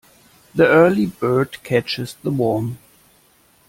The early bird catches the worm.